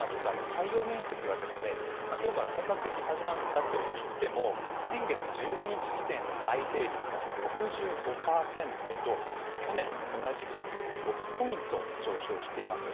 採用面接がきょうから本格的に始まったといっても、先月１５日時点の内定率は６５％と、去年の同じ時期より６ポイント上昇しています。